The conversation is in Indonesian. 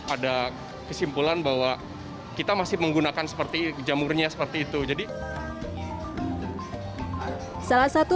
ada kesimpulan bahwa kita masih menggunakan seperti jamurnya seperti itu jadi salah satu